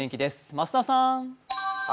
増田さん。